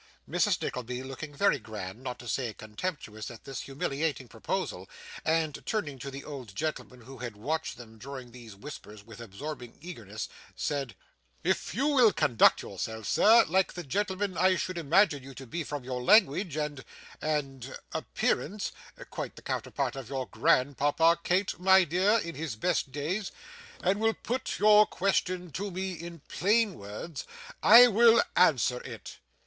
Mrs. Nickleby looked very grand, not to say contemptuous, at this humiliating proposal; and, turning to the old gentleman, who had watched them during these whispers with absorbing eagerness, said: 'If you will conduct yourself, sir, like the gentleman I should imagine you to be, from your language and and appearance, (quite the counterpart of your grandpapa, Kate, my dear, in his best days,) and will put your question to me in plain words, I will answer it.